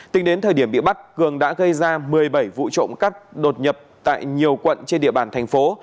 tính đến thời điểm bị bắt cường đã gây ra một mươi bảy vụ trộm cắp đột nhập tại nhiều quận trên địa bàn thành phố